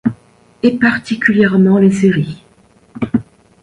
Et particulièrement les séries.